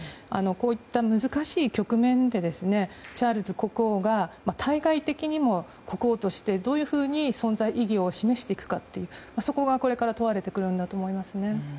こういった難しい局面でチャールズ国王が対外的にも国王としてどういうふうに存在意義を示していくかそこがこれから問われてくるんだと思いますね。